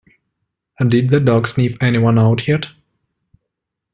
Did the dog sniff anyone out yet?